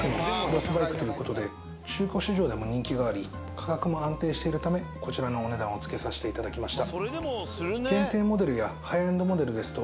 価格も安定しているためこちらのお値段を付けさせていただきました。